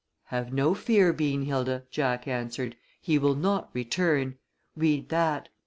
"Have no fear, Beanhilda," Jack answered. "He will not return. Read that."